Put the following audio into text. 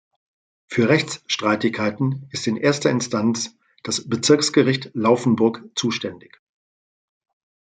Für Rechtsstreitigkeiten ist in erster Instanz das Bezirksgericht Laufenburg zuständig.